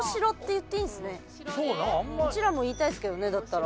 うちらも言いたいですけどねだったら。